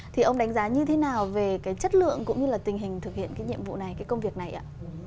thì ông đánh giá như thế nào về cái chất lượng cũng như là tình hình thực hiện cái nhiệm vụ này cái công việc này ạ